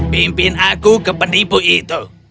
pimpin aku ke penipu itu